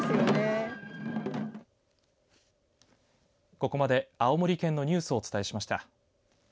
ここまで青森県のニュースをお伝えしました。